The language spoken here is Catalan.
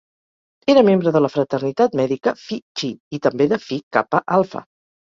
Era membre de la fraternitat mèdica Phi Chi i també de Phi Kappa Alpha.